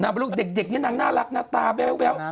นางบอกว่าเด็กนี่นางน่ารักน่าตาแบ้ว